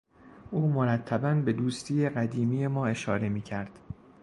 او مرتبا به دوستی قدیمی ما اشاره میکرد.